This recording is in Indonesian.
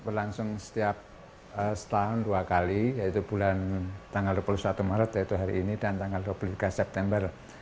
berlangsung setiap setahun dua kali yaitu bulan tanggal dua puluh satu maret yaitu hari ini dan tanggal dua puluh tiga september